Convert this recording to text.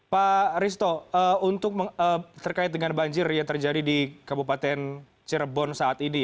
pak risto untuk terkait dengan banjir yang terjadi di kabupaten cirebon saat ini